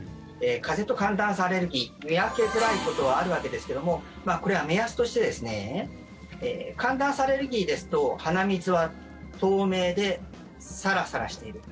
風邪と寒暖差アレルギー見分けづらいことはあるわけですけどもこれは目安として寒暖差アレルギーですと鼻水は透明でサラサラしている。